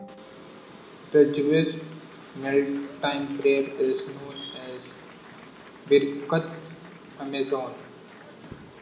The Jewish mealtime prayer is known as Birkat Hamazon.